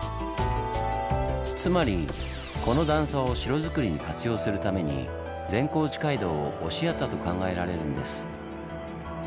つまりこの段差を城づくりに活用するために善光寺街道を押しやったと考えられるんです。